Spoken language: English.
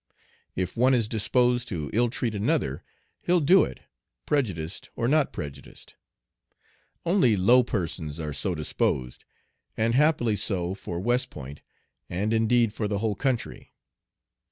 If one is disposed to ill treat another, he'll do it, prejudiced or not prejudiced. Only low persons are so disposed, and happily so for West Point, and indeed for the whole country.